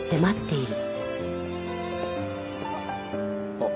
あっ。